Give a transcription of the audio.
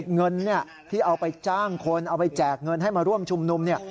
เงินที่เอาไปจ้างคนเอาไปแจกเงินให้มาร่วมชุมนุมเนี่ย